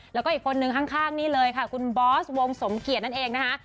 แล้วก็อีกคนนึงข้างนี่เลยค่ะคุณบอสวงสมเกียจนั่นเองนะคะ